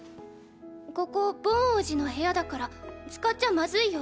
ここボン王子の部屋だから使っちゃまずいよ。